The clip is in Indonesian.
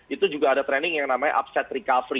itu juga ada training yang namanya upset recovery